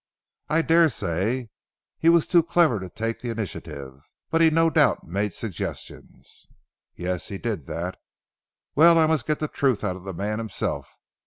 "I daresay. He was too clever to take the initiative. But he no doubt made suggestions." "Yes, he did that. Well, I must get the truth out of the man himself.